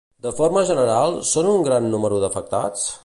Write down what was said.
De forma general, són un gran número d'afectats?